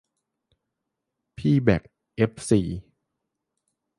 พี่แบ่คเอฟซี